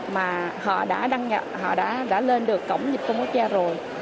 mà họ đã lên được cổng dịch vụ công quốc gia rồi